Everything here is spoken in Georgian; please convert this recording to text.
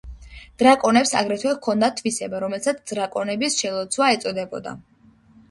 დრაკონებს აგრეთვე ჰქონდათ თვისება, რომელსაც „დრაკონების შელოცვა“ ეწოდებოდა.